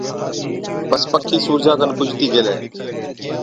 بس پکِي سُورجا کن پُجتِي گيلَي